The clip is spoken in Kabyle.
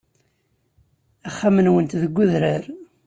Axxam-nnunt deg udrar.